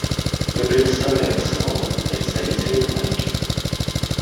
Я предоставляю слово представителю Ямайки.